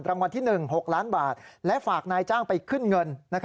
รางวัลที่๑๖ล้านบาทและฝากนายจ้างไปขึ้นเงิน